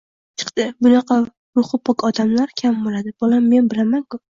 chiqdi. Bunaqa ruhi pok odamlar kam bo'ladi, bolam, men bilaman-ku.